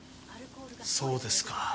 そうですか。